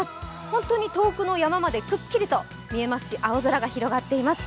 本当に遠くの山までくっきりと見えますし青空が広がっています。